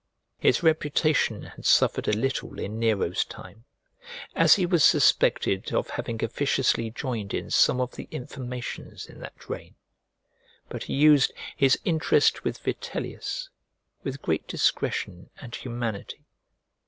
His reputation had suffered a little in Nero's time, as he was suspected of having officiously joined in some of the informations in that reign; but he used his interest with Vitellius, with great discretion and humanity.